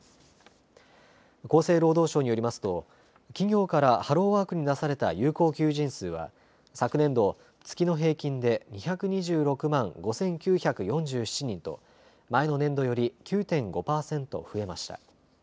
厚生労働省によりますと企業からハローワークに出された有効求人数は昨年度、月の平均で２２６万５９４７人と前の年度より９．５％増えました。